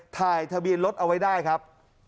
ถ่ายทะเบียนรถเอาไว้ได้ครับ